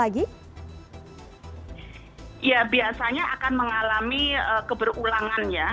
ya biasanya akan mengalami keberulangan ya